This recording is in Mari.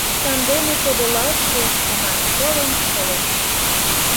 Санден тодылалтше, шона, пылын шылыж.